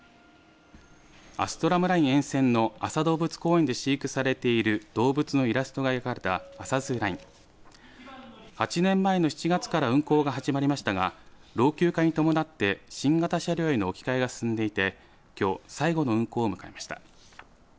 アストラムライン沿線の安佐動物公園で飼育されている動物のイラストが描かれたアサズーライン８年前の７月から運行が始まりましたが老朽化に伴って新型車両への置き換えが進んでいてきょう最後の運行を迎えました。